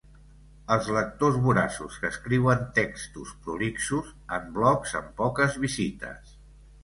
Els lectors voraços que escriuen textos prolixos en blogs amb poques visites.